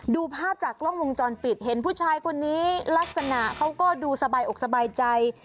ดูภาพจากกล้องวงจรปิดเห็นผู้ชายคนนี้ลักษณะเขาก็ดูสบายอกสบายใจ